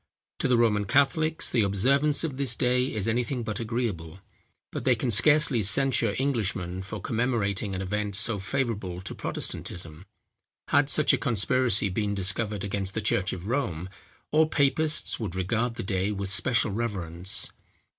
To the Roman Catholics the observance of this day is anything but agreeable; but they can scarcely censure Englishmen for commemorating an event so favourable to Protestantism. Had such a conspiracy been discovered against the church of Rome, all papists would regard the day with special reverence.